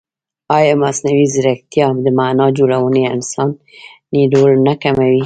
ایا مصنوعي ځیرکتیا د معنا جوړونې انساني رول نه کموي؟